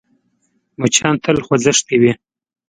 مچان تل خوځښت کې وي